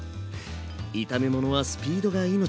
炒め物はスピードが命。